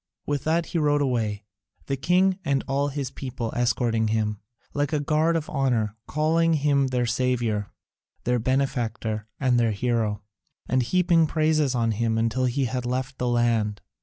With that he rode away, the king and all his people escorting him, like a guard of honour, calling him their saviour, their benefactor, and their hero, and heaping praises on him until he had left the land.